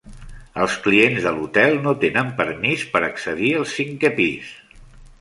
Els clients de l'hotel no tenen permís per accedir al cinquè pis.